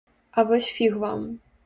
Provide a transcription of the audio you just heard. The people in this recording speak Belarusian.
А вось фіг вам!